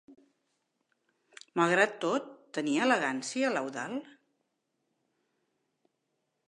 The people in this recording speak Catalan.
Malgrat tot, tenia elegància l'Eudald?